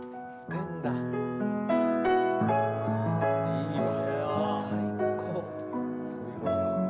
いいわ。